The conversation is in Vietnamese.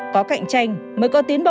có cạnh tranh mới có tiến bộ